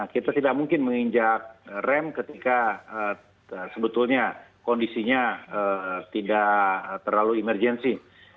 kita tidak mungkin menginjak rem ketika sebetulnya kondisinya tidak terlalu emergensi